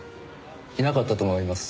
いなかったと思います。